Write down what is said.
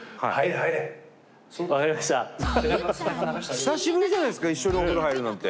久しぶりじゃないですか一緒にお風呂入るなんて。